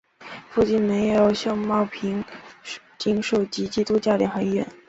附近设有秀茂坪警署及基督教联合医院。